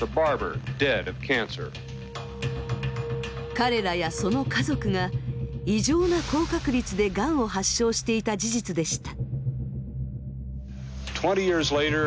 彼らやその家族が異常な高確率でがんを発症していた事実でした。